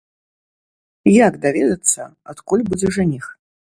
Як даведацца, адкуль будзе жаніх?